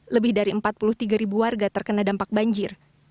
lebih dari empat puluh tiga ribu warga terkena dampak banjir